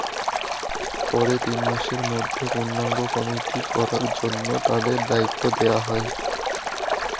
পরে তিন মাসের মধ্যে পূর্ণাঙ্গ কমিটি করার জন্য তাঁদের দায়িত্ব দেওয়া হয়।